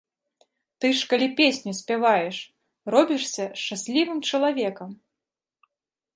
Ты ж калі песню спяваеш, робішся шчаслівым чалавекам!